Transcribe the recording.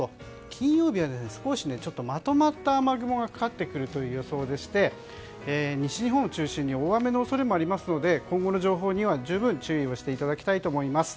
金曜日は少しまとまった雨雲がかかってくる予想でして西日本を中心に大雨の恐れもありますので今後の情報には十分注意していただきたいと思います。